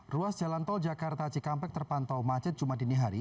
ruas jalan tol jakarta cikampek terpantau macet cuma dini hari